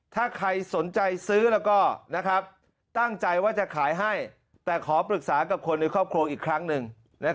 ถ้าใครสนใจซื้อแล้วก็ตั้งใจว่าจะขายให้แต่ขอปรึกษากับคนในครอบครัวอีกครั้งหนึ่ง